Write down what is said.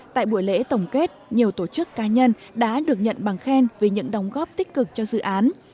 tại buổi lễ tổng kết nhiều tổ chức cá nhân đã được nhận bằng khen vì những đóng góp tích cực cho dự án